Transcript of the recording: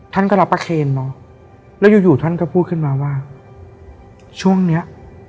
ท่านก็รับประเคนเนอะแล้วอยู่อยู่ท่านก็พูดขึ้นมาว่าช่วงเนี้ย